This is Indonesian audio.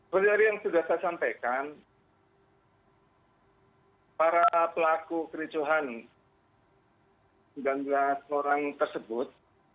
seperti yang sudah saya sampaikan para pelaku kericuhan sembilan belas orang tersebut